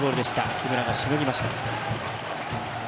木村がしのぎました。